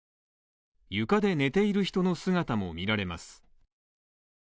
床で寝ている人の姿も見られます。